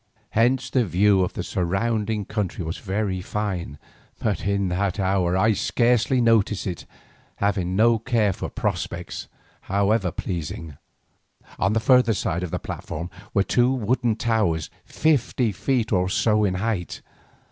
Hence the view of the surrounding country was very fine, but in that hour I scarcely noticed it, having no care for prospects, however pleasing. On the further side of the platform were two wooden towers fifty feet or so in height.